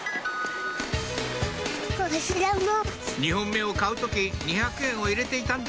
２本目を買う時２００円を入れていたんです